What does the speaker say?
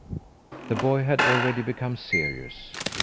The boy had already become serious.